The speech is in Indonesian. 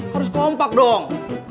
harus kompak dong